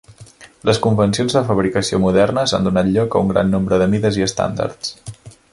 Les convencions de fabricació modernes han donat lloc a un gran nombre de mides i estàndards.